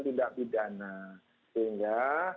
tindak pidana sehingga